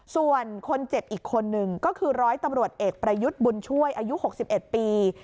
ส่วนคนเจ็บอีกคนนึงก็คือร้อยตำรวจเอกประยุทธ์บุญช่วยอายุ๖๑ปี